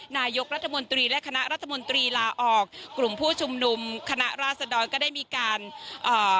นายกรัฐมนตรีและคณะรัฐมนตรีลาออกกลุ่มผู้ชุมนุมคณะราษดรก็ได้มีการเอ่อ